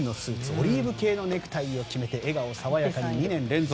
オリーブ系のネクタイを決めて笑顔爽やかに２年連続。